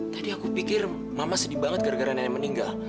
tadi aku pikir mama sedih banget gara gara nenek meninggal